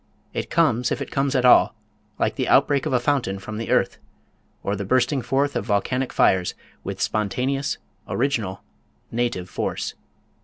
It comes, if it come at all, like the outbreak of a fountain from the earth, or the bursting forth of volcanic fires, with spontaneous, original, native force.